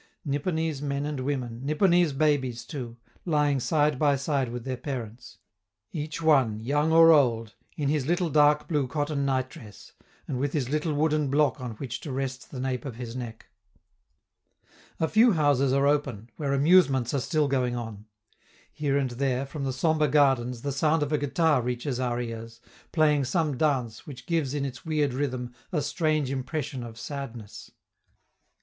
Nipponese men and women, Nipponese babies too, lying side by side with their parents; each one, young or old, in his little dark blue cotton nightdress, and with his little wooden block on which to rest the nape of his neck. A few houses are open, where amusements are still going on; here and there, from the sombre gardens, the sound of a guitar reaches our ears, playing some dance which gives in its weird rhythm a strange impression of sadness.